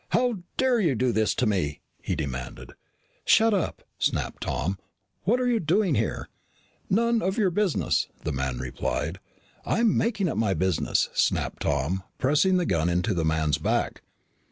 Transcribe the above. "How dare you do this to me?" he demanded. "Shut up!" snapped Tom. "What are you doing here?" "None of your business," the man replied. "I'm making it my business," snapped Tom, pressing the gun into the man's back.